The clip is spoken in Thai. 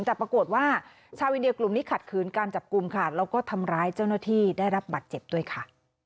แต่ปรากฏว่าชาวอินเดียกลุ่มนี้ขัดขืนการจับกลุ่มค่ะแล้วก็ทำร้ายเจ้าหน้าที่ได้รับบัตรเจ็บด้วยค่ะ